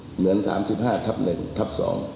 เหมือน๓๕ทับ๑ทับ๒